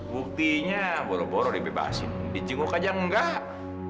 buktinya boro boro dibebasin dicinguk aja enggak